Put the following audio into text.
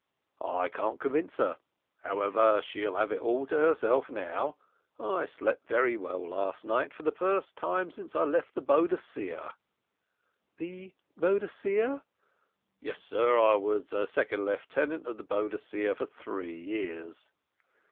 I can't convince her. However, she'll have it all to herself now. I slept well last night, for the first time since I left the Boadicea." "The Boadicea?" "Yes, sir, I was second lieutenant of the Boadicea for three years."